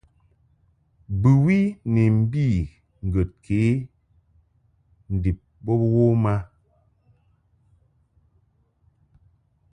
Bɨwi ni mbi ŋgəd ke ndib bo wom a.